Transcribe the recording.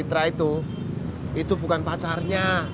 mitra itu itu bukan pacarnya